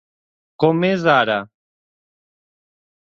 Com és ara.